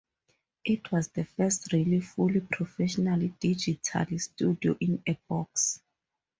It was the first real fully professional digital "Studio-in-a-box".